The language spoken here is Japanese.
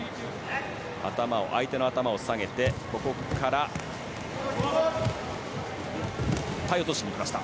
相手の頭を下げてここから体落としに来ました。